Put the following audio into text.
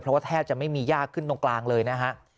เพราะว่าแทบจะไม่มียากขึ้นตรงกลางเลยนะฮะ